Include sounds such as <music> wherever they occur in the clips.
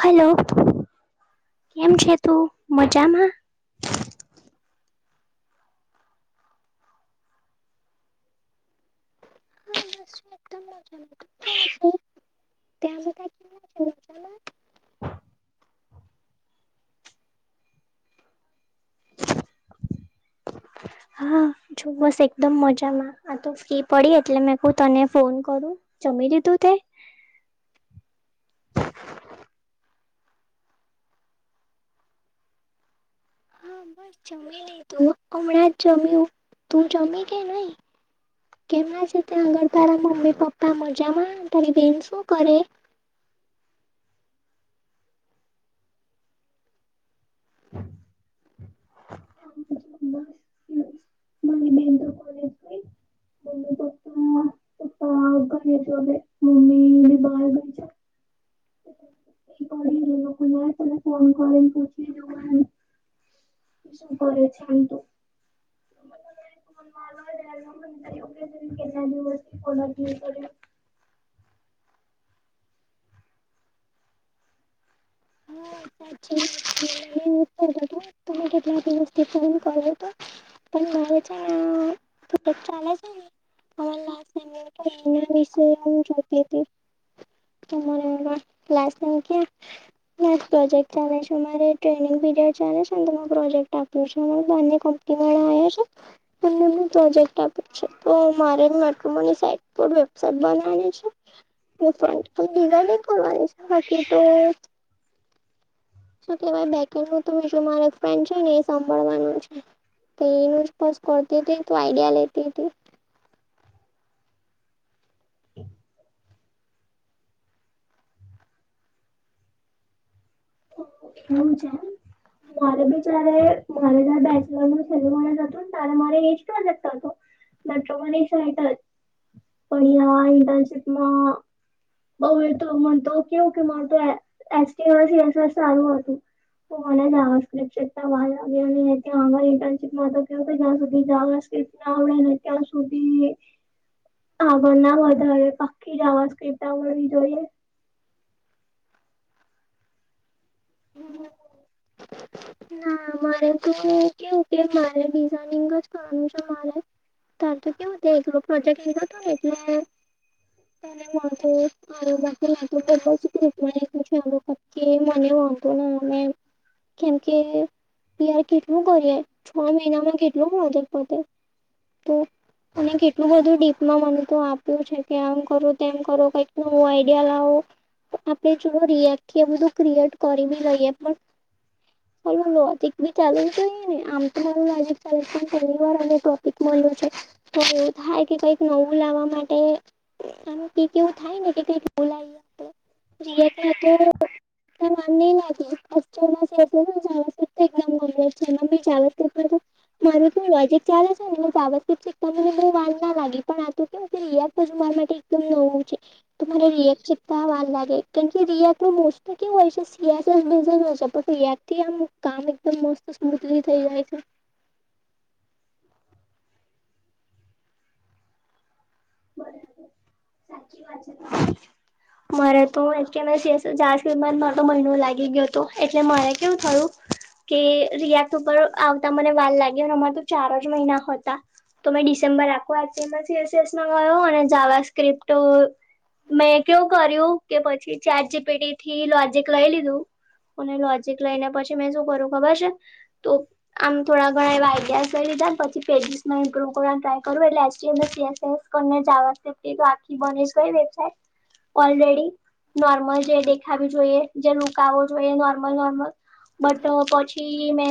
Hello. કેમ છે તું મજામાં. હા બસ જો મજામાં હા એકદમ મજા લ. <inaudible> તે આ ક છે. <inaudible> હા જો બસ એકદમ મજામાં આ તો ફ્રી પડી એટલે મેં ક તને ફોન કરું. જમી દીધું તે. હા બસ જમી ન તું હમણાં જ જમ્યું તું જમી કે નહી. કેમના છે ત્યાં આગળ તારા મમ્મી પપ્પા મજામાં તારી બેન શું કરે. <inaudible> મારી બેન તો કોલેજ ગઈ મમ્મી જલે મમી <inaudible> ને ફોન કરીને પૂછ શું કરે છે તોું <inaudible> વાયો ત કેટલા દિવસથી કોનાથી કરી <inaudible> હા સાી <inaudible> તમે કેટલાક દિવસથી ફોન કર્યો તો <inaudible> પણ મા છે ચા છે <inaudible> વિ જોતે હતી <unintelligible> મને લમકી <inaudible> પ્રોજેક્ટ ચાલે છે મારે ટ્રેનિંગ પીરિયડ ચાલે છે ને તો પ્રોજેક્ટ આપું <inaudible> પ્રોજેક્ટ આપું છું તો મારા સાહેબ <inaudible> સાહેબ ભણાવે છે હું પણ નિગ કરવા છે હકી તોુ વાય બીજું મા ફ છે ને એ સાંભળવાનું છે તે રપસ કરતી હતીથી તો આઈડિયા લેતી હતીથી હ છે મારે બી જ્યારે મારે જારે બેચલર ન સેલ જ હતું ને ત્યારે મારે એજ પ્રોજેક્ટ હતો ત્યાતો મનિષહતાપણ યાર ઇન્ટર્ન શિપ મા બઉ એ તો મને તો કેવું કે માર તો એસટીએસસ સારું હતું તો મને જપટ વા લ્યો ત્યાં અમા ઇન્ટર્નશીપ માં તો કેવું ક ત્યાં સુધી જાવ ફ ના આવડે ને ત્યાં સુધી હા બ ના વધારે પકી જ આવા ક્રિપ્ટ મળવી જોઈએ હ ના મારે તો હું કેવું કે મારે ડિઝાઇનિંગ જ કરનું છે મારે તાર તો કેવું ત એક પ્રોજેક્ટ લીધો હતો એટલે ત ખ જ છે પ મને ને મ કે કે યાર કેટલું કરીએ છ મહિનામાં કેટલું મળ પોતે તો અને કેટલું બધું ડીપમાં મને તો આપ્યું છે કે આમ કરો તેમ કરો કઈક નવું આઈડિયા લાવો આપણે જોડ રિએક બું ક્રિએટ કરી બી રઈએ પણ ચાલોજીિક ભી ચાલુ જો ને આમ તોારું નજીક ચા છેહેલી વાર અને ટોપિક મળ્યું છે તો એવું થાય કે કઈક નવું લાવવા માટે એમ કઈક એવું થાય ને કે કઈક બોલાય તો <inaudible> જાવ તો એકદમ ગમ છે મમ્ી જાવર મારું તો લોજક ચાલે છે ને સા્ય શીખને બહુ વાળ ના લાગી પણ તો કેમક મારા માટે એકમ નવું છે તોરેકતા વા લાગે મોસ્ટલી કેવુ હોય છે સિયા હોિયા આમ કામ એકદમ મસ્ત સ્મૂથલી થઈ જાય છે બરાબર સાચી વાત છે મારે તો ચાર કિ મા તો મહિનો લાગી ગયો હતો એટલે મારે કેવું થયું કે રિયાક ઉપર આવતા મને વાર લાગી અને અમાં તો ચાર જ મહિના હતા તો મેમે ડિસેમ્બર આખો આજ સ ગયો અને જવા સ્ક્રિપ્ટ મેં કેવું કર્યું કે પછી ચારજી પેઢીથી લોજીક લઈ લીધું અને લોજક લઈને પછી મે શું કરું ખબર છે તો આમ થોડા ઘણા એવા્યાસ કરી પછી પે વ કરવા ટાય કરું એટલે બની ગઈ વેબસાઇટ ઓલરેડી નોર્મલ જે દેખાવી જોઈએ જે લુક આવો જોઈએ નોર્મલ નોર્મલ બટ પછી મે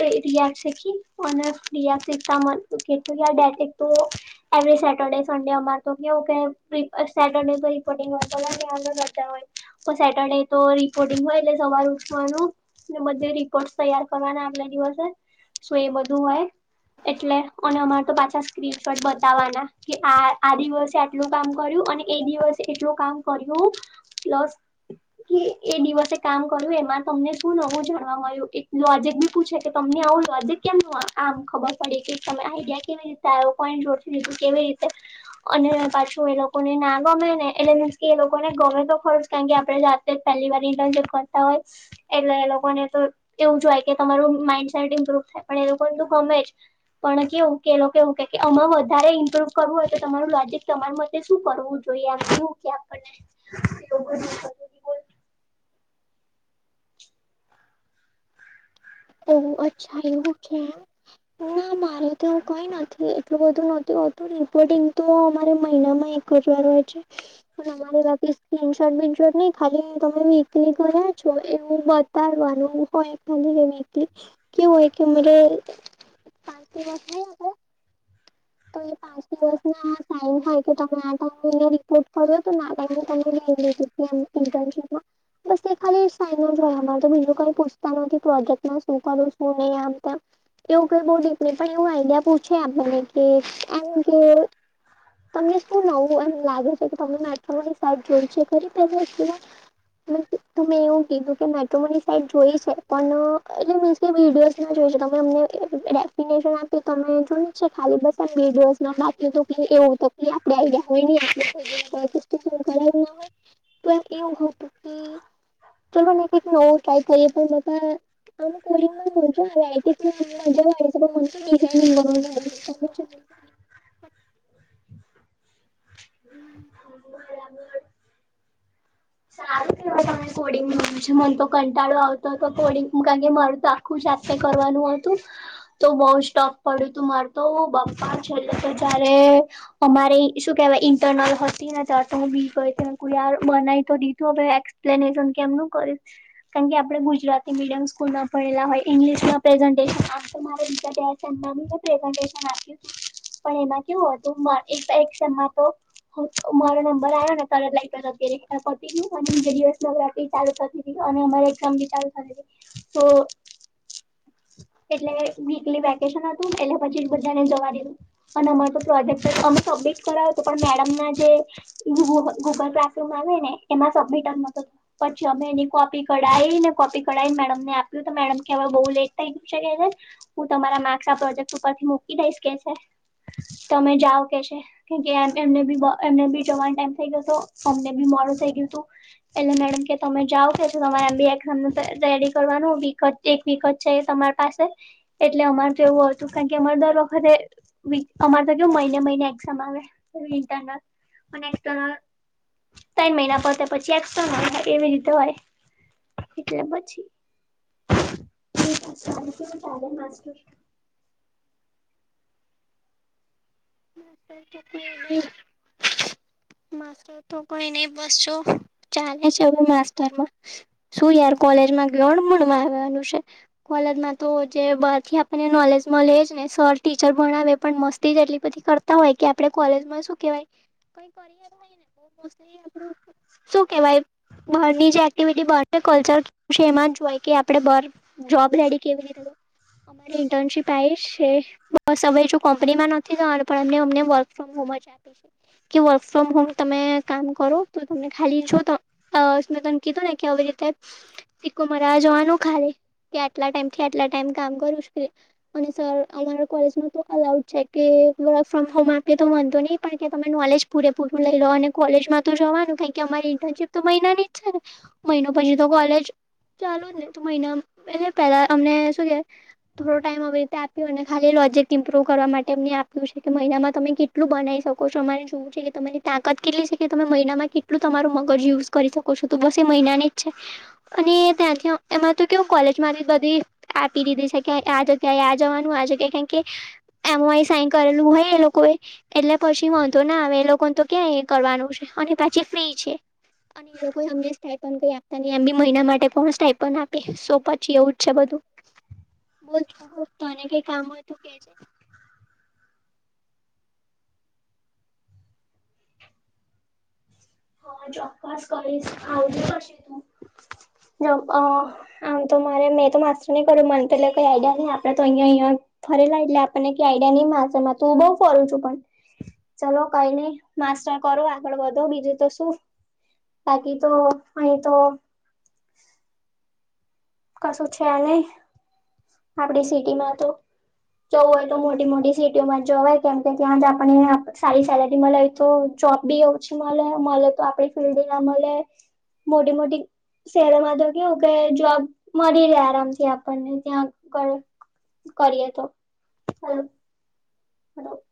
રિયા શીખી મ રિયા શીખતા એવરી સેટરડે સડે અમાર તો કેવું કે સેટરડે તો રિપોર્ટિંગ હોય તોને આગળ વધતા હોય તો સેટરડે તો રિપોર્ટિંગ હોય એટલે સવાર ઉઠવાનું ને બધે રેકોર્ડ તૈયાર કરવાના આગલા દિવસે શું એ બધું હોય એટલે અનેને અમાર તો પાછા સ્ક્રીન શોટ બતાવવાના કે આ આ દિવસે આટલું કામ કર્યું અને એ દિવસે એટલું કામ કર્યું પ્લસ એ દિવસે ક કર્યું એમાં તમને શું નવું જાણવા મળ્યું એક લોજિક બી પૂછે કે તમને આવું લોજિક કેમ ન ખબર પડી કે તમે આઈડિયા કેવી રીતે આવ્યોઈન્ટ ઓળી લીધું કેવી રીતે અને પાછ એ લોકોને ના ગમે ને, એટલે મીન્સ કે એ લોકોને ગમે તો ખરુ જ કારણ કે આપડે જાતે પહેલી વાર ઇન્ટરશિપ કરતા હોય. એટલે એ લોકોને તો એવું જ જોય કે તમારું માઇન્ડસેટ ઇમ્પ્રુવ થાય પણ એ લોકો પણ કેવું કે એ લોકો એવું કેય કે આમાં વધારે ઇમ્પ્રુવ કરવું હોય તો તમારું લોજિક તમાર મ એ શું કરવું જોઈએ? ક્યુ ક્યાં કરના હે <unintelligible> ઓ, અચ્છા એવું છે. ના મારે તો કઈ નથી. એટલું બધું નહતું હોતુ રિપોર્ટિંગ તો અમારે મહિનામાં એક જ વાર હોય છે. પણ અમારે <unintelligible> છો. એવું બતાવાનું હોય ખાલી એવી કે હોય કે <unintelligible> તો એ પાંચ દિવસ ના સાઈન થાય કે તમે આ ટાઈમે રિપોર્ટ કર્યો તો ને આ ટાઈમે <unintelligible> બસ એ ખાલી સાઈન જ હોય અમાર, તો બીજું કઈ પૂછતા નથી પ્રોજેક્ટમાં શું કર્યું, શું નઈ આમ તેમ. એવું કઈ બોવ <unintelligible> એવું આઈડિયા પૂછે આપડને એમ કે, તમને શું નવું એમ લાગે છે કે તમે મેટ્રોમની પાર્ક જોઈ છે ખરી તમે એક્ટિવા. તમે એવું કીધું કે મેટ્રોમની સાઈટ જોઈ છે પણ એટલે મીન્સ કે વિડીયો મે જોઈ છે, તમે અમને ડેફિનેશન આપી તમે જોઈ છે. ખાલી બસ, આ બે દિવસના બાકી તો કે એવું તો કે આપડે આઈડીયા હોય ન <unintelligible> બરાબર ના હોય. પણ એવું હતું <unintelligible> ચલોને કંઈક નવું ટ્રાય કરીએ પણ <unintelligible> <unintelligible> બરાબર. <unintelligible> સારું કેવાય તમે કોડિંગ ભણો છો. મન તો કંટાળો આવતો તો કોડિંગ કારણ કે મારું તો આખું જ જાતે કરવાનું હતું. તો બઉ જ ટફ પડ્યું તું માર તો બાપા છેલ્લે તો જારે મારે અમારે શું કેવાય ઇન્ટરનલ હતી ને ત્યાર તો હુ બી ગય તી મેકૂ યાર બના તો દીધું. હવ એક્સપ્લેનેશન કેમનું કરીશ. કારણ કે આપડે ગુજરાતી મીડિયમ સ્કૂલમાં ભણેલા હોય ઇંગ્લિશમાં પ્રેઝન્ટેશન આપ તો મારે વિચાર કે છે મમ્મીનું પ્રેઝન્ટેશન આપ્યું તું. પણ એમાં કેવું હતું. મા એક એક સેમમાં તો મારો નંબર આયો ને તરત લાઈટો જતી રી. અને પતિ ગયું અને બીજે દિવસ નવરાત્રી ચાલુ થતી તી અને અમારી એક્ઝામ બી ચાલુ થતી તી. તો <unintelligible> એટલે વીકલી વેકેશન હતું. એટલે પછી બધાને જવા દીધું. અને અમાર તો પ્રોજેક્ટ સબમિટ કરાયો તો પણ મેડમના જે ગૂ ગૂ ગૂગલ ક્લાસી બઉ હોય ને એમાં સબમીટ જ નતો થતો. પછી અમે એની કોપી કઢાઈને કોપી કઢાઈન મેડમને આપ્યું તો મેડમ કે હવે બઉ લેટ થઈ ગયું છે ને હવે હું તમારા માર્ક્સ આ પ્રોજેક્ટ ઉપરથી મૂકી દઈશ કે છે. તમે જાઓ કે છે કેમ કે એમને બી એમને બી જવાન ટાઈમ થઈ ગયો તો. અમને બી મોડું થઈ ગયું તું. એટલે મેડમ કે તમે જાઓ કે છે તમાર એમ બી એકઝામ રેડી કરવાનું હુ વિકટ એક વિક જ છે તમાર પાસે એટલે અમાર તો એવું હતું કારણ કે અમારે દર વખતે વીક અમાર તો કેવું મહિને-મહિને એક્ઝામ આવે ઇન્ટરનલ. અન એક્સટર્નલ તઈન મહિના પતે પછી એક્સટર્નલ એવી રીતે હોય. એટલે પછી. <unintelligible> કેવું ચાલે માસ્ટર? <unintelligible> માસ્ટર તો કઈ નઈ બસ જો ચાલે છે હવે માસ્ટરમાં. શું યાર કોલેજમા ગ્લોડ મળવા આવનું છે? મગજમાં તો જે બારથી આપડને નોલેજ મલે એ જ ને. સર ટીચર ભણાવે પણ મસ્તી જ એટલી બધી કરતા હોય કે આપડે કોલેજમા શું કેવાય કઈ કરીએલુ હોય ને બઉ મોસ્ટલી આપડુ કેવાય. બહારની જે એક્ટિવિટી બહાર કલ્ચર છે એમાં જ હોય કે આપડે બહાર જોબ રેડી કેવી રીતે અમારી ઇન્ટર્નશીપ આવી છે બસ હવે જો કંપનીમાં નથી જવાનું પણ અ અમને વર્ક ફ્રોમ હોમ જ આપી છે કે વર્ક ફ્રોમ હોમ તમે કામ કરો તો તમને ખાલી છુ તો અ તને કીધું ને કે આવી રીતે સિક્કો મરાવા જવાનું ખાલી કે આટલા ટાઈમથી આટલા ટાઈમ કામ કરું કે અને સર અમારા કોલેજમાં તો અલાઉડ છે કે વર્ક ફ્રોમ હોમ આપે તો વાઘો નહી પણ કે તમે નોલેજ પૂરેપૂરું લઈ લો અને કોલેજમાં તો જોવાનું કાય કી ઈટર શીપ તો મહિનાની જ છે ને મહિનો પછી તો કોલેજ ચાલુ જ ને તો મહિના એલે પેલા અમને શું કે થોડો ટાઈમ આવી રીતે આપ્યોને ખાલી પ્રોજેક ઇમ્પ્રવ કરવા માટે એમ છે કે મહિનામાં તમે કેટલું બનાવી શકો છો અમારે શવું છે કે તમારી તાકાત કેટલી છે કે તમે મહિનામાં કેટલું તમારું મગજ યુઝ કરી શકો છો બસ એ મહિના જ છે અને ત્યાંથી એમાં તો કે કોલેજમાં બધી આપી દીધી છે કે આ જગ્યા આ જવાનું આ જગ્યા કાય કી એમ સાઈન કરેલું હોય એ લોકો એટલે પછી વાંધો ના આવે એ લોકોને તો ક્યાં એ કરવાનું છે અને પછી ફ્રી છે અને એ લોકો અમને સ્ટાપન કઈ આપતા નહી એમ બે મહિના માટે સ્ટાપન આપે સ પછી એવું જ છે બધું <inaudible> બોલ તને કઈ કામ હોય તો કે જે હા ચોક્કસ કરીશ આવજે પછે તું આમ તો મારે મેં તો માસ્ર નહી કરું મન પેલે કઈ આઈડિયા નહી આપડે તો અહીયાંયા અહં ફરેલા એટલે આપણને કઈ આઈડિયા નહી માશે તો હું બઉુ ફરું છું પણ ચલો કઈ નઈ માસ્ટર કરો આગળ વધો બીજું તો શું બાકી તો અહી તો કશું છે આ નહી આપડી સિટીમાં તો જવું હોય તો મોટી મોટી સિટીઓમાં જ હોય કેમ કે ત્યાં જ આપણે સારી સેલેરી મળે તો જોબ બી ઓછી મળે મળે તો આપડી ફિલ્ડ ના મળે મોટી મોટી શહેરોમાં તો કેવું કે જોબ મળી રહે આરામથી આપણને ત્યાં ક કરીએ તો હા હડ <inaudible>